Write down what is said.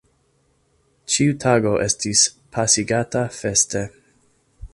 Ĉiu tago estis pasigata feste.